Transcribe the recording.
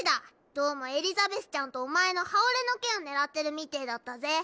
どうもエリザベスちゃんとお前の刃折れの剣を狙ってるみてぇだったぜ。